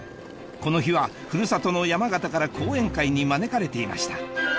この日は古里の山形から講演会に招かれていました